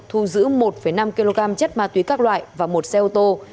thu giữ một năm kg chất ma túy các loại và một xe ô tô